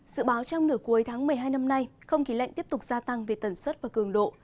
dự báo trong nửa cuối tháng một mươi hai năm nay không khí lạnh tiếp tục gia tăng về tần suất và cường độ